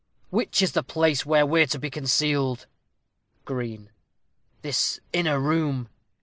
_ Which is the place where we're to be concealed? Green. This inner room.